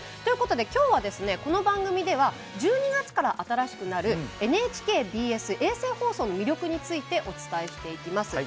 今日は、この番組では１２月から新しくなるＮＨＫＢＳ衛星放送の魅力についてお伝えしていきます。